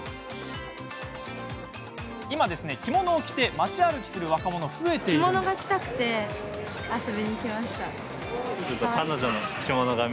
今、着物を着て町歩きする若者が増えているんです。